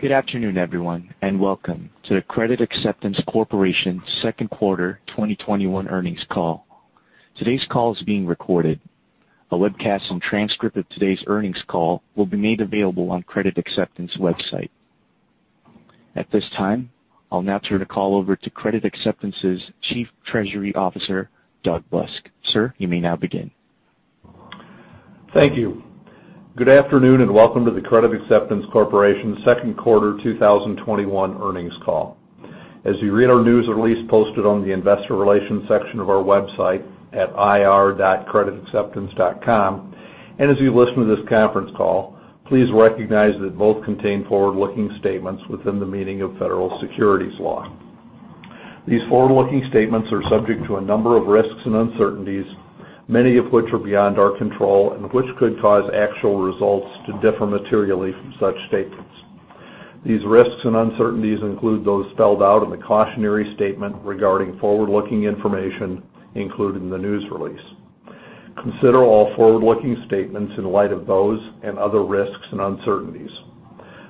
Good afternoon, everyone, and welcome to the Credit Acceptance Corporation second quarter 2021 earnings call. Today's call is being recorded. A webcast and transcript of today's earnings call will be made available on Credit Acceptance website. At this time, I'll now turn the call over to Credit Acceptance's Chief Treasury Officer, Doug Busk. Sir, you may now begin. Thank you. Good afternoon, and welcome to the Credit Acceptance Corporation second quarter 2021 earnings call. As you read our news release posted on the investor relations section of our website at ir.creditacceptance.com, and as you listen to this conference call, please recognize that both contain forward-looking statements within the meaning of Federal Securities law. These forward-looking statements are subject to a number of risks and uncertainties, many of which are beyond our control and which could cause actual results to differ materially from such statements. These risks and uncertainties include those spelled out in the cautionary statement regarding forward-looking information included in the news release. Consider all forward-looking statements in light of those and other risks and uncertainties.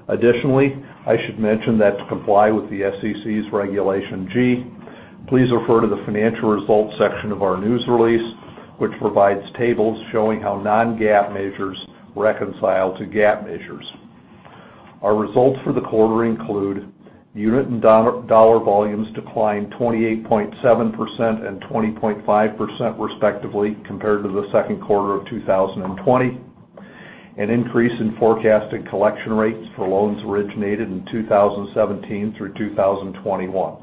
Additionally, I should mention that to comply with the SEC's Regulation G, please refer to the financial results section of our news release, which provides tables showing how non-GAAP measures reconcile to GAAP measures. Our results for the quarter include unit and dollar volumes declined 28.7% and 20.5% respectively compared to the second quarter of 2020. An increase in forecasted collection rates for loans originated in 2017 through 2021.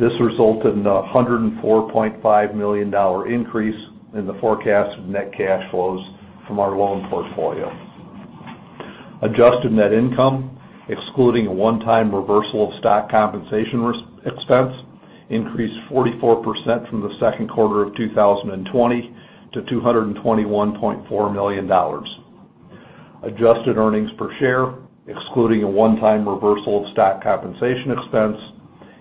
This resulted in a $104.5 million increase in the forecast of net cash flows from our loan portfolio. Adjusted net income, excluding a one-time reversal of stock compensation expense, increased 44% from the second quarter of 2020 to $221.4 million. Adjusted earnings per share, excluding a one-time reversal of stock compensation expense,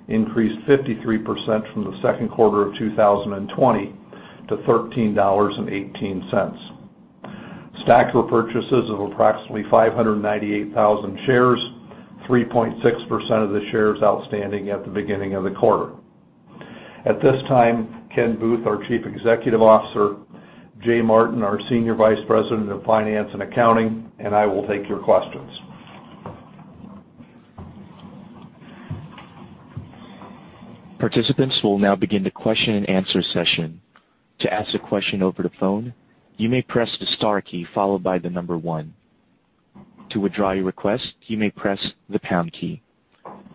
increased 53% from the second quarter of 2020 to $13.18. Stock repurchases of approximately 598,000 shares, 3.6% of the shares outstanding at the beginning of the quarter. At this time, Ken Booth, our Chief Executive Officer, Jay Martin, our Senior Vice President of Finance and Accounting, and I will take your questions. Participants, we'll now begin the question and answer session. To ask a question over the phone, you may press the star key followed by the number one. To withdraw your request, you may press the pound key.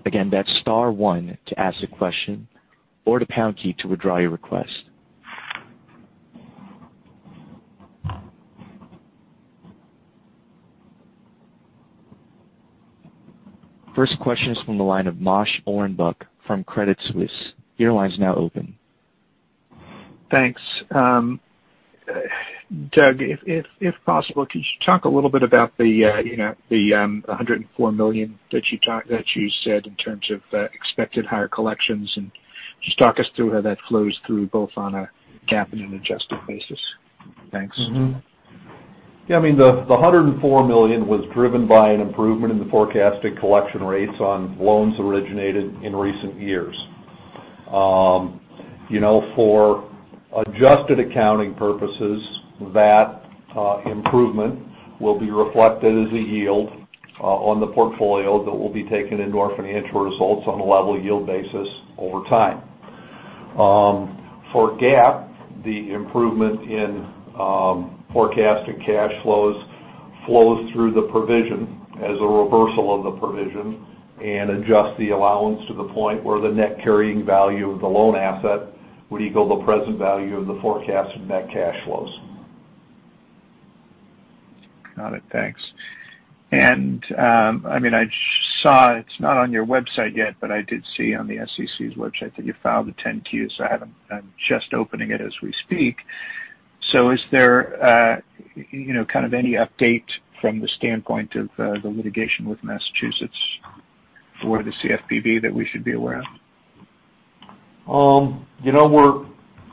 Again, that's star one to ask a question or the pound key to withdraw your request. First question is from the line of Moshe Orenbuch from Credit Suisse. Your line is now open. Thanks. Doug, if possible, could you talk a little bit about the $104 million that you said in terms of expected higher collections, just talk us through how that flows through both on a GAAP and an adjusted basis? Thanks. Yeah, the $104 million was driven by an improvement in the forecasted collection rates on loans originated in recent years. For adjusted accounting purposes, that improvement will be reflected as a yield on the portfolio that will be taken into our financial results on a level yield basis over time. For GAAP, the improvement in forecasted cash flows through the provision as a reversal of the provision and adjusts the allowance to the point where the net carrying value of the loan asset would equal the present value of the forecasted net cash flows. Got it. Thanks. I saw, it's not on your website yet, but I did see on the SEC's website that you filed a 10-Q, so I'm just opening it as we speak. Is there any update from the standpoint of the litigation with Massachusetts or the CFPB that we should be aware of?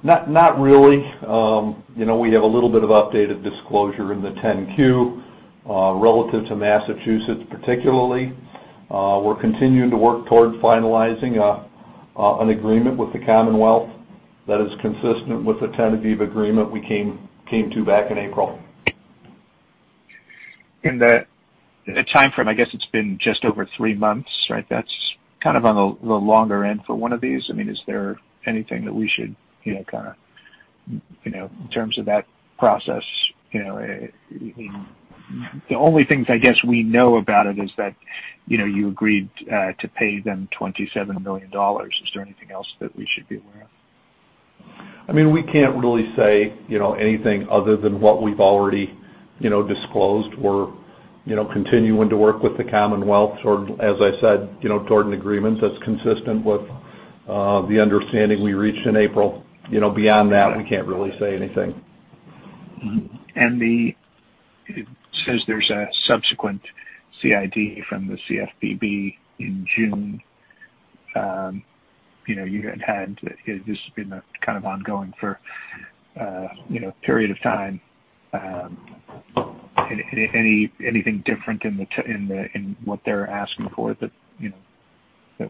Not really. We have a little bit of updated disclosure in the 10-Q relative to Massachusetts particularly. We're continuing to work towards finalizing an agreement with the Commonwealth that is consistent with the tentative agreement we came to back in April. In the timeframe, I guess it's been just over three months, right? That's kind of on the longer end for one of these. Is there anything that we should, in terms of that process? The only things I guess we know about it is that you agreed to pay them $27 million. Is there anything else that we should be aware of? We can't really say anything other than what we've already disclosed. We're continuing to work with the Commonwealth toward, as I said, toward an agreement that's consistent with the understanding we reached in April. Beyond that, we can't really say anything. Mm-hmm. It says there's a subsequent CID from the CFPB in June. You had this been kind of ongoing for a period of time. Anything different in what they're asking for that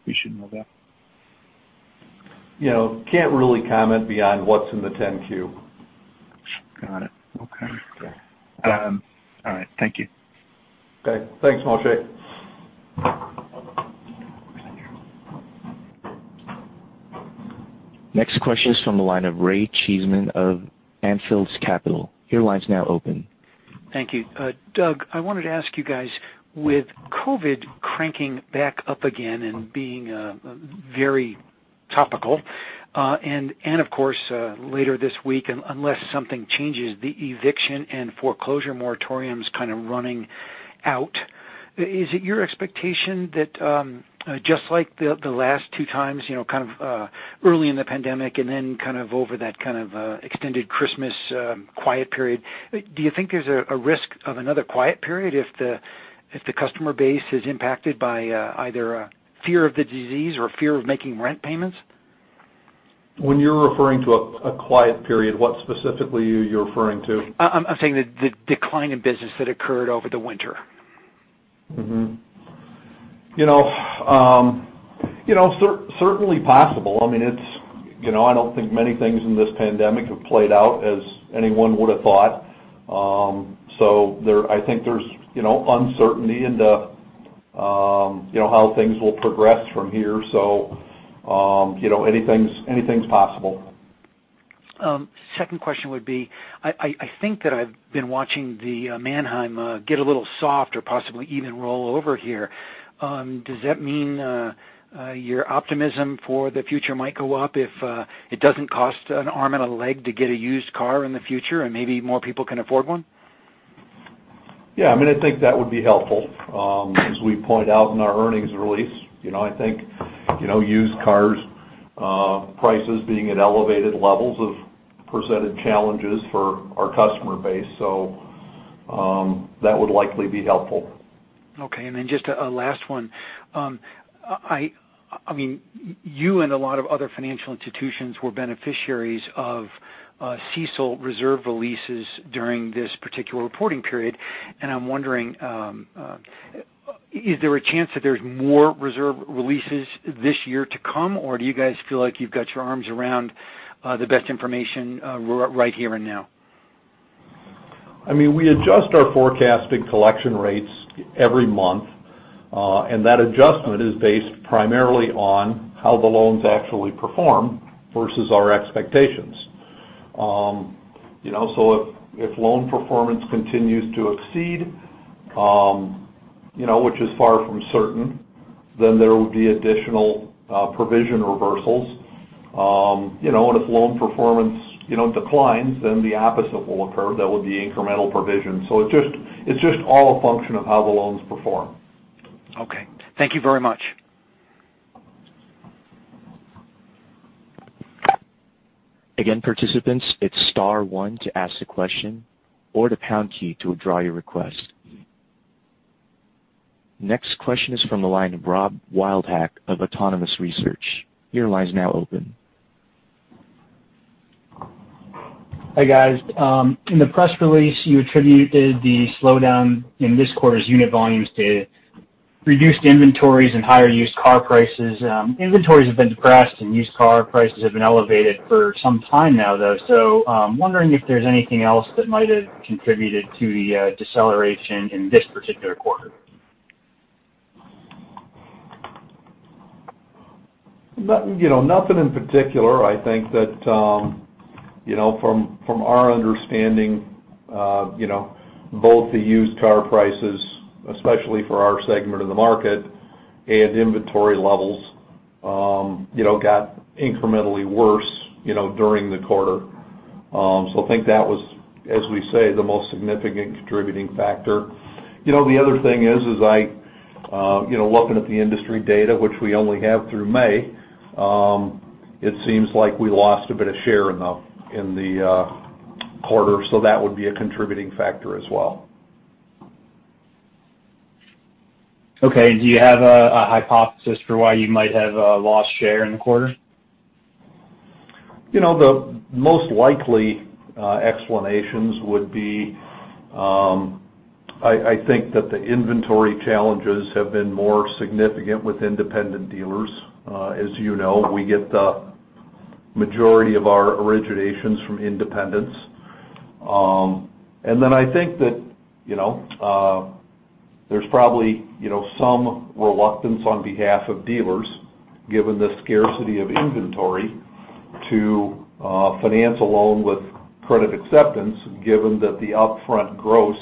we should know about? Can't really comment beyond what's in the 10-Q. Got it. Okay. Okay. All right. Thank you. Okay. Thanks, Moshe. Next question is from the line of Ray Cheesman of Anfield Capital. Your line's now open. Thank you. Doug, I wanted to ask you guys, with COVID cranking back up again and being very topical, Of course, later this week, unless something changes, the eviction and foreclosure moratorium is kind of running out. Is it your expectation that, just like the last 2 times, kind of early in the pandemic and then kind of over that extended Christmas quiet period, do you think there's a risk of another quiet period if the customer base is impacted by either fear of the disease or fear of making rent payments? When you're referring to a quiet period, what specifically are you referring to? I'm saying the decline in business that occurred over the winter. Certainly possible. I don't think many things in this pandemic have played out as anyone would've thought. I think there's uncertainty into how things will progress from here. Anything's possible. Second question would be, I think that I've been watching the Manheim get a little soft or possibly even roll over here. Does that mean your optimism for the future might go up if it doesn't cost an arm and a leg to get a used car in the future, and maybe more people can afford one? Yeah, I think that would be helpful. As we point out in our earnings release, I think used cars prices being at elevated levels have presented challenges for our customer base. That would likely be helpful. Okay. Just a last one. You and a lot of other financial institutions were beneficiaries of CECL reserve releases during this particular reporting period. I'm wondering, is there a chance that there's more reserve releases this year to come, or do you guys feel like you've got your arms around the best information right here and now? We adjust our forecasted collection rates every month, that adjustment is based primarily on how the loans actually perform versus our expectations. If loan performance continues to exceed, which is far from certain, there would be additional provision reversals. If loan performance declines, the opposite will occur. There would be incremental provision. It's just all a function of how the loans perform. Okay. Thank you very much. Again, participants, it's star one to ask the question or the pound key to withdraw your request. Next question is from the line of Rob Wildhack of Autonomous Research. Your line's now open. Hi, guys. In the press release, you attributed the slowdown in this quarter's unit volumes to reduced inventories and higher used car prices. Inventories have been depressed, and used car prices have been elevated for some time now, though. I'm wondering if there's anything else that might have contributed to the deceleration in this particular quarter. Nothing in particular. I think that from our understanding, both the used car prices, especially for our segment of the market, and inventory levels got incrementally worse during the quarter. I think that was, as we say, the most significant contributing factor. The other thing is, looking at the industry data, which we only have through May, it seems like we lost a bit of share in the quarter, that would be a contributing factor as well. Okay. Do you have a hypothesis for why you might have lost share in the quarter? The most likely explanations would be, I think that the inventory challenges have been more significant with independent dealers. As you know, we get the majority of our originations from independents. Then I think that there's probably some reluctance on behalf of dealers, given the scarcity of inventory, to finance a loan with Credit Acceptance given that the upfront gross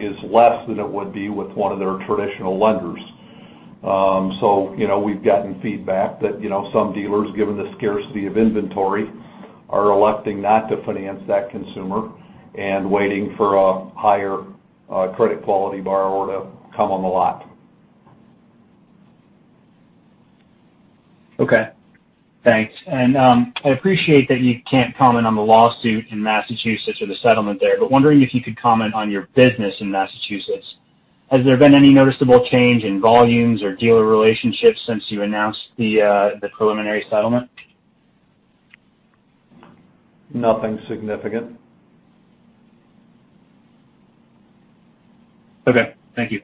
is less than it would be with one of their traditional lenders. We've gotten feedback that some dealers, given the scarcity of inventory, are electing not to finance that consumer and waiting for a higher credit quality borrower to come on the lot. Okay. Thanks. I appreciate that you can't comment on the lawsuit in Massachusetts or the settlement there, but wondering if you could comment on your business in Massachusetts. Has there been any noticeable change in volumes or dealer relationships since you announced the preliminary settlement? Nothing significant. Okay. Thank you.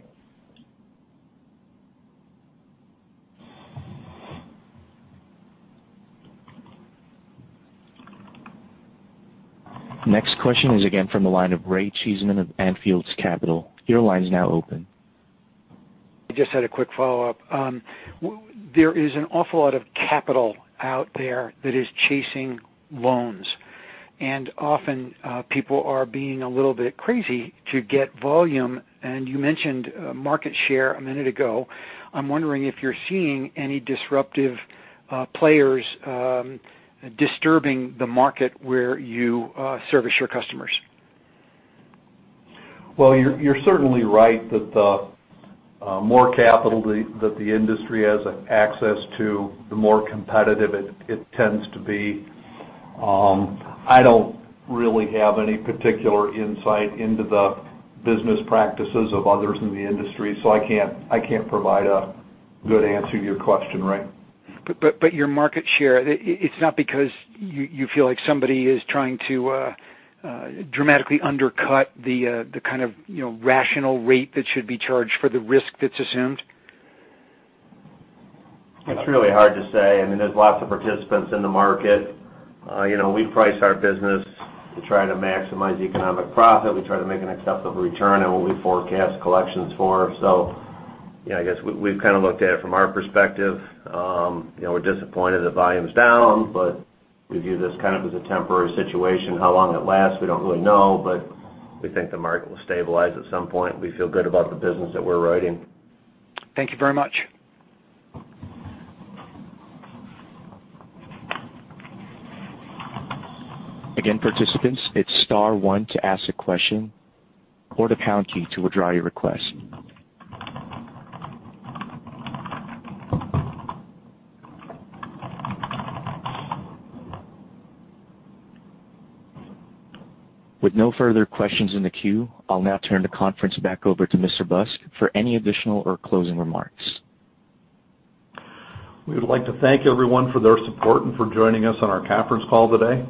Next question is again from the line of Ray Cheesman of Anfield Capital. Your line's now open. I just had a quick follow-up. There is an awful lot of capital out there that is chasing loans, and often people are being a little bit crazy to get volume. You mentioned market share a minute ago. I'm wondering if you're seeing any disruptive players disturbing the market where you service your customers. Well, you're certainly right that the more capital that the industry has access to, the more competitive it tends to be. I don't really have any particular insight into the business practices of others in the industry, so I can't provide a good answer to your question, Ray. Your market share, it's not because you feel like somebody is trying to dramatically undercut the kind of rational rate that should be charged for the risk that's assumed? It's really hard to say. I mean, there's lots of participants in the market. We price our business to try to maximize economic profit. We try to make an acceptable return on what we forecast collections for. I guess we've kind of looked at it from our perspective. We're disappointed that volume's down, but we view this kind of as a temporary situation. How long it lasts, we don't really know, but we think the market will stabilize at some point. We feel good about the business that we're writing. Thank you very much. Again, participants, hit star one to ask a question or the pound key to withdraw your request. With no further questions in the queue, I'll now turn the conference back over to Mr. Busk for any additional or closing remarks. We would like to thank everyone for their support and for joining us on our conference call today.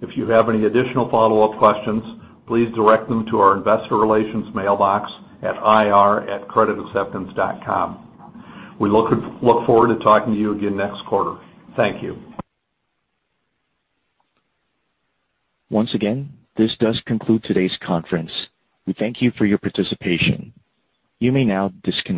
If you have any additional follow-up questions, please direct them to our investor relations mailbox at ir@creditacceptance.com. We look forward to talking to you again next quarter. Thank you. Once again, this does conclude today's conference. We thank you for your participation. You may now disconnect.